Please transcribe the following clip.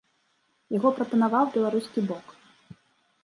Яго прапанаваў беларускі бок.